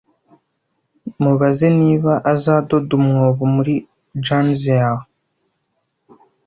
Mubaze niba azadoda umwobo muri jans yawe.